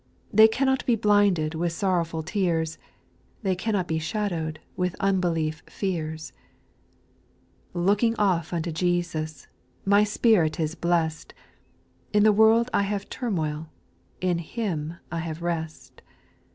329 They cannot be blinded With sorrowful tears, They cannot be shadow'd With unbelief fears. 8. Looking off unto Jesus, My spirit is blest, — In the world I have turmoil, In Him I have rest.